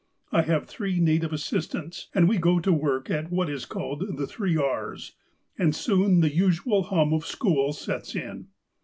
I have three native assistants, and we go to work at what is called the three R's, and soon the usual hum of school sets in.